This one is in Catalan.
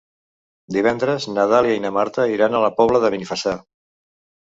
Divendres na Dàlia i na Marta iran a la Pobla de Benifassà.